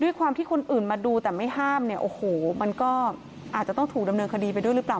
ด้วยความที่คนอื่นมาดูแต่ไม่ห้ามเนี่ยโอ้โหมันก็อาจจะต้องถูกดำเนินคดีไปด้วยหรือเปล่า